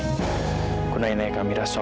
aku naik naik ke amira soal apa